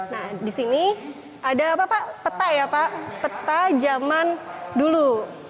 nah di sini ada apa pak peta ya pak peta zaman dulu